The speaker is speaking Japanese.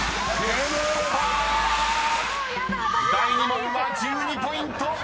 ［第２問は１２ポイント］